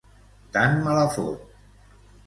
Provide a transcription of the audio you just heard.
Tant me la fot.